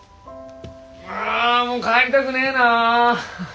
あもう帰りたくねぇなぁ。